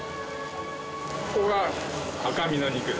ここが赤身の肉です。